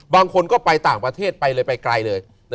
บางคนก็ไปต่างประเทศไปเลยไปไกลเลย